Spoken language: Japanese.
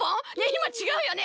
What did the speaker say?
いまちがうよね？